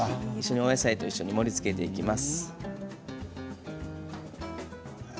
お野菜と一緒に盛りつけていきます。